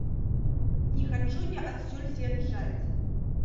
Не хачу я адсюль з'язджаць.